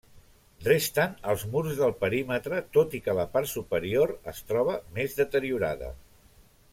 Resten els murs del perímetre, tot i que la part superior es troba més deteriorada.